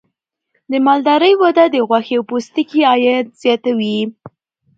د مالدارۍ وده د غوښې او پوستکي عاید زیاتوي.